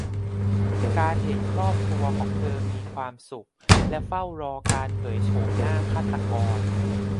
การเห็นครอบครัวของเธอมีความสุขและเฝ้ารอการเผยโฉมหน้าฆาตกร